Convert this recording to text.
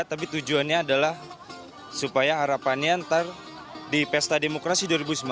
tapi tujuannya adalah supaya harapannya nanti di pesta demokrasi dua ribu sembilan belas